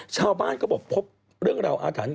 ชาวบ้านก็บอกพบเรื่องราวอาถรรพ